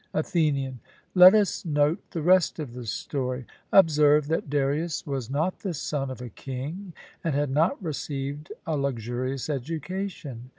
ATHENIAN: Let us note the rest of the story. Observe, that Darius was not the son of a king, and had not received a luxurious education.